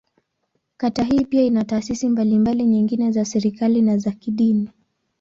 Kata hii pia ina taasisi mbalimbali nyingine za serikali, na za kidini.